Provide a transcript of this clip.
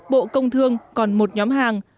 bộ công thương còn một nhóm hàng